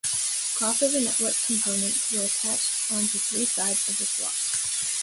Crossover network components were attached onto three sides of this block.